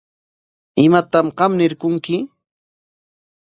¿Imatam qam ñirqunki?